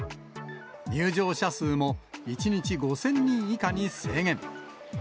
入場者数も１日５０００人以下に制限。